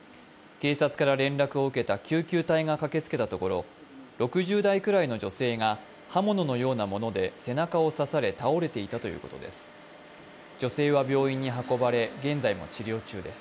警察から連絡を受けた救急隊が駆けつけたところ、６０代くらいの女性が刃物のようなもので背中を刺され倒れていたということです。